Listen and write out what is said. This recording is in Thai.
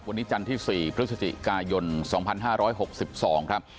วันนี้จันทร์ที่สี่พฤศจิกายนสองพันห้าร้อยหกสิบสองครับ